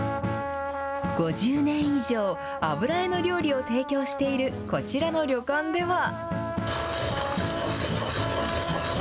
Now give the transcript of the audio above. ５０年以上、あぶらえの料理を提供しているこちらの旅館では。